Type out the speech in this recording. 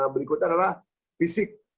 berikutnya adalah fisik